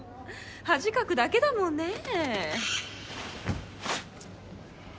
恥かくだけだもんねぇ？